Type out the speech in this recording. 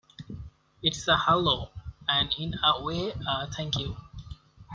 It's a hello, and in a way a thank you.